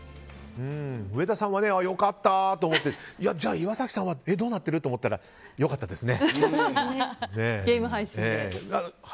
上田さんは良かったと思ってじゃあ岩崎さんはどうなってる？って思ったらゲーム配信で。